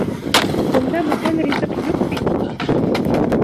Бында бүтән ризыҡ юҡ бит.